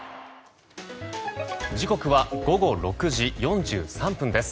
時刻は午後６時４３分です。